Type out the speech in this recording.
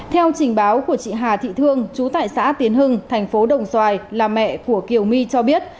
theo trình báo của chị hà thị thương chú tại xã tiến hưng thành phố đồng xoài là mẹ của kiều my cho biết